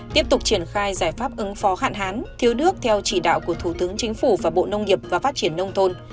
tiếp tục triển khai giải pháp ứng phó hạn hán thiếu nước theo chỉ đạo của thủ tướng chính phủ và bộ nông nghiệp và phát triển nông thôn